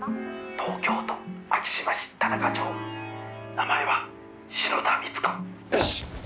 「東京都昭島市田中町名前は篠田美津子」よし！